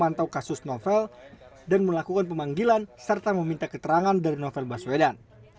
memantau kasus novel dan melakukan pemanggilan serta meminta keterangan dari novel baswedan